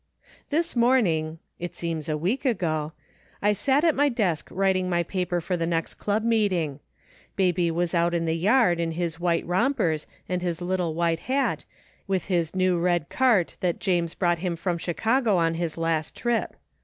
" This morning (it seems a week ago) I sat at my desk writing my paper for the next Club meeting. Baby was out in the yard in his white rompers and his little white hat, with his new red cart that James brought 259 THE FINDING OF JASPER HOLT him from Chicago on his Jost trip.